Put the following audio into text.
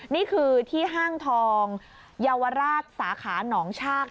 นี่คือที่ห้างทองเยาวราชสาขาหนองชาก